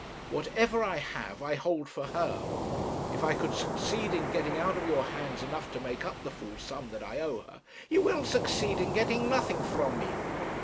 'Whatever I have, I hold for her. If I could succeed in getting out of your hands enough to make up the full sum that I owe her ' 'You will succeed in getting nothing from me.